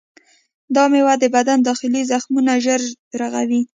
دا میوه د بدن داخلي زخمونه ژر رغوي.